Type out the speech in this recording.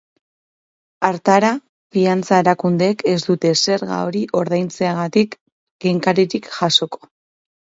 Hartara, finantza erakundeek ez dute zerga hori ordaintzeagatik kenkaririk jasoko.